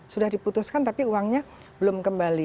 sudah diputuskan tapi uangnya belum kembali